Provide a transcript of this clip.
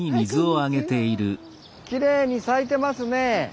きれいに咲いてますね。